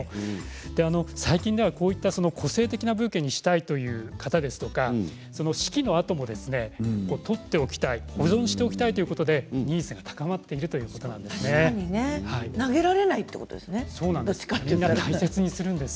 最近ではこういった個性的なブーケにしたいという方ですとか式のあとも取っておきたい保存しておきたいということでニーズが高まっているということなんです。